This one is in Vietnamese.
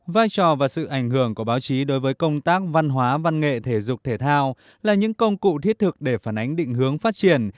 vai trò và sự ảnh hưởng của báo chí đối với công tác văn hóa văn nghệ thể dục thể thao là những công cụ thiết thực để phản ánh định hướng phát triển